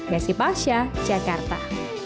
gassi pasha jakarta